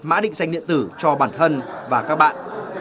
mã định danh điện tử cho bản thân và các bạn